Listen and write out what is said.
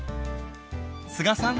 須賀さん